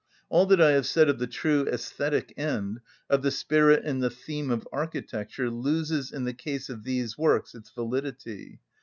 All that I have said of the true æsthetic end, of the spirit and the theme of architecture, loses in the case of these works its validity.